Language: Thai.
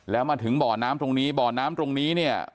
แล้วมาถึงบ่อน้ำตรงนี้บ่อน้ำตรงนี้เนี่ย